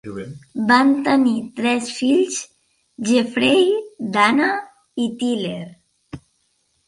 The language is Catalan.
Van tenir tres fills: Jeffrey, Dana i Tyler.